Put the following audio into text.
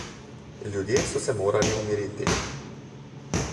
Ljudje so se morali umiriti.